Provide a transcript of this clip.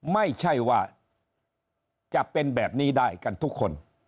ไม่ใช่ว่าจะเป็นแบบนี้ได้กันทุกคน